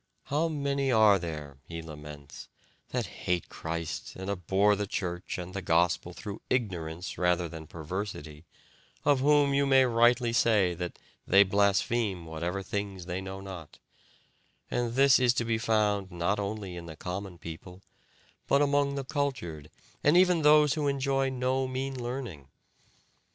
How many are there," he laments, "that hate Christ and abhor the Church and the Gospel through ignorance rather than perversity, of whom you may rightly say that 'they blaspheme whatever things they know not'; and this is to be found not only in the common people, but among the cultured and even those who enjoy no mean learning.